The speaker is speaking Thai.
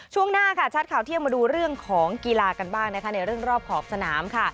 ช่วงหน้าค่ะชัดข่าวเที่ยงมาดูเรื่องของกีฬากันบ้างนะคะในเรื่องรอบขอบสนามค่ะ